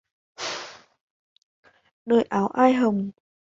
Đợi áo ai hồng